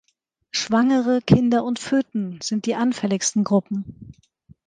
Schwangere, Kinder und Föten sind die anfälligsten Gruppen.